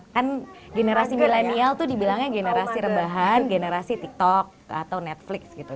kan generasi milenial itu dibilangnya generasi rebahan generasi tiktok atau netflix gitu